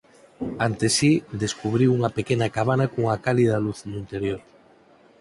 Ante si descubriu unha pequena cabana cunha cálida luz no interior.